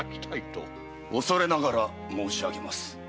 おそれながら申し上げます。